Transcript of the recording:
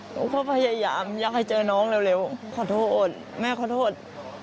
หนูก็พยายามอยากให้เจอน้องเร็วขอโทษแม่ขอโทษ